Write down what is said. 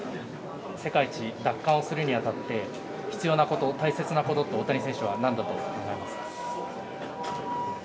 世界一奪還をするに当たって必要なこと、大切なことは大谷選手は何だと思いますか？